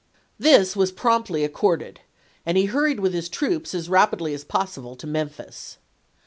This was promptly accorded, and he hurried with his troops, as rapidly as possible, to Memphis.